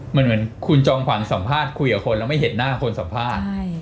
มันเหมือนคุณจอมขวัญสัมภาษณ์คุยกับคนแล้วไม่เห็นหน้าคนสัมภาษณ์